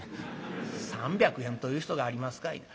「３００円という人がありますかいな。